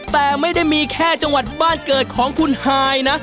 แต่ไม่ได้มีแค่จังหวัดบ้านเกิดของคุณฮายนะ